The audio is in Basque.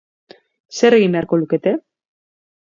Zer egin beharko lukete?